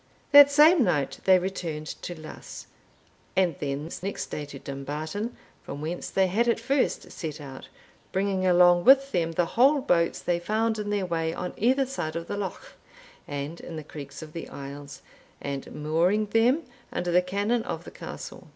That same night they returned to Luss, and thence next day to Dumbarton, from whence they had at first set out, bringing along with them the whole boats they found in their way on either side of the loch, and in the creeks of the isles, and mooring them under the cannon of the castle.